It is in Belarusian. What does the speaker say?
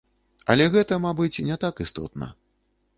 Але гэта, мабыць, не так істотна.